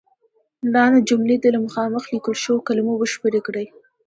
لاندې جملې دې له مخامخ لیکل شوو کلمو بشپړې کړئ.